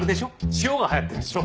塩が流行ってるんでしょ？